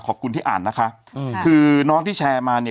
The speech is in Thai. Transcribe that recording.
ขอบคุณที่อ่านนะคะอืมคือน้องที่แชร์มาเนี่ย